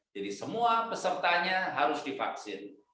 jadi semua pesertanya harus divaksin